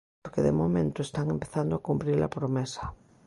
Porque de momento están empezando a cumprir a promesa.